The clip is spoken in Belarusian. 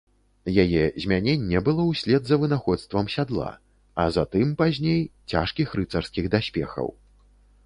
Яе змяненне было услед за вынаходствам сядла, а затым, пазней, цяжкіх рыцарскіх даспехаў.